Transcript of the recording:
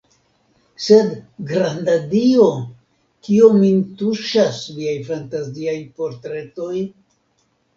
Sed, granda Dio, kio min tuŝas viaj fantaziaj portretoj?